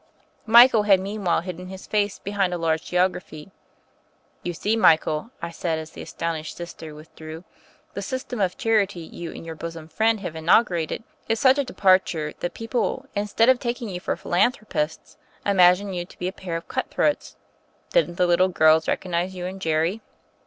Michael had meanwhile hidden his face be hind a large geography. "You see, Michael," I said as the astonished Sister withdrew, "the system of charity you and your bosom friend have inaugurated is such a departure that people, instead of taking you for philanthropists, imagine you to be a pair of cut 66 THE FAIRY OF THE SNOWS 67 throats. Didn't the little girls recognize you and Jerry?"